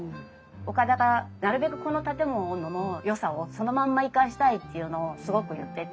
岡田がなるべくこの建物のよさをそのまんま生かしたいっていうのをすごく言ってて。